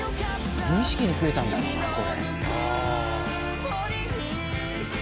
無意識に増えたんだろうなこれ。